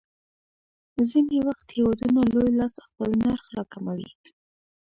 ځینې وخت هېوادونه لوی لاس خپل نرخ راکموي.